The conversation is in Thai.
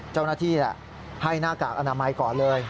เจ้าหน้าที่ให้หน้ากากอนามัยก่อนเลย